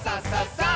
さあ！